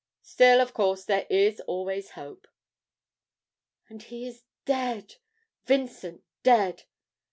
Still of course there is always hope.' 'And he is dead! Vincent dead!